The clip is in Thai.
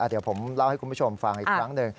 เดี๋ยวผมเล่าให้คุณผู้ชมฟังอีกครั้งหนึ่ง